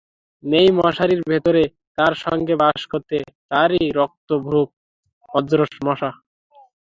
সেই মশারির ভেতরে তাঁর সঙ্গে বাস করত তাঁরই রক্তভুক অজস্র মশা।